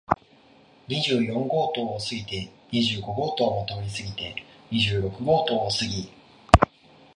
二十四号棟を過ぎて、二十五号棟も通り過ぎて、二十六号棟を過ぎ、